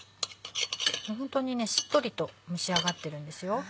ホントにしっとりと蒸し上がってるんですよ。